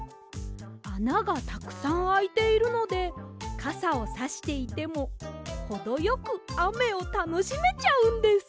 あながたくさんあいているのでかさをさしていてもほどよくあめをたのしめちゃうんです！